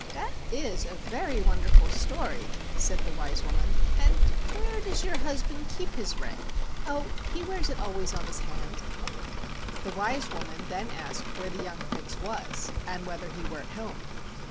"That is a very wonderful story," said the wise woman. "And where does your husband keep his ring ?" "Oh, he wears it always on his hand." The wise woman then asked where the young Prince was and whether he were at home.